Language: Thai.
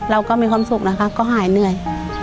เราก็มีความสุขนะคะก็หายเหนื่อย